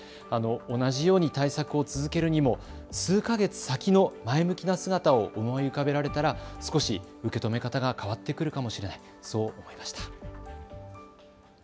同じように対策を続けるにも数か月先の前向きな姿を思い浮かべられたら少し受け止め方が変わってくるかもしれない、そう思いました。